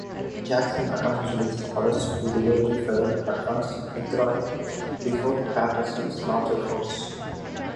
Jackson accomplished his orders to delay the Federal advance, withdrawing before Patterson's larger force.